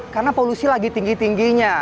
karena polusi lagi tinggi tingginya